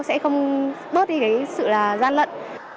sẽ không bớt đi cái sự là gian lận